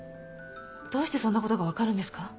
どうしてそんなことが分かるんですか？